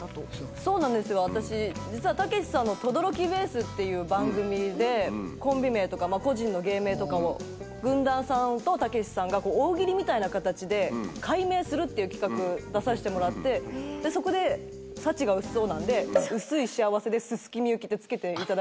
そうなんです、私、実はたけしさんのとどろきベースっていう番組で、コンビ名とか、個人の芸名とかも、軍団さんとたけしさんが大喜利みたいな形で、改名するっていう企画、出させてもらって、そこで、幸が薄そうなんで、薄い幸せで、なるほど。